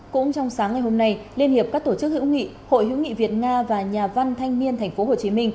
cũng trong sáng ngày hôm nay liên hiệp các tổ chức hữu nghị hội hữu nghị việt nga và nhà văn thanh niên tp hcm